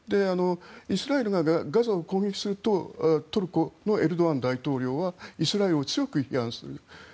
イスラエルがガザを攻撃するとトルコのエルドアン大統領はイスラエルを強く批判する。